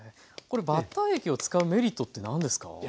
これバッター液を使うメリットって何ですか？